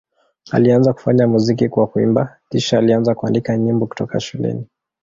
Alianza kufanya muziki kwa kuimba, kisha alianza kuandika nyimbo kutoka shuleni.